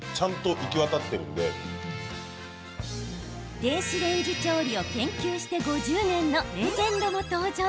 電子レンジ調理を研究して５０年のレジェンドも登場。